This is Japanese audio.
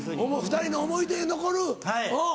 ２人の思い出に残るうん。